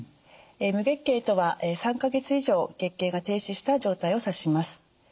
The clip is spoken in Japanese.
無月経とは３か月以上月経が停止した状態を指します。